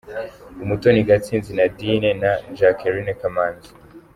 Umutoni Gatsinzi Nadine na Jackline Kamanzi